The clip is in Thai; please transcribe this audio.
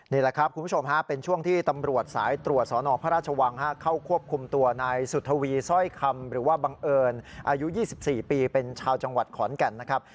นี่แหละครับคุณผู้ชมฮะเป็นช่วงที่ตำรวจสายตรวจสนพระราชวังเข้าควบคุมตัวนายสุธวีสร้อยคำหรือว่าบังเอิญอายุ๒๔ปีเป็นชาวจังหวัดขอนแก่นนะครับ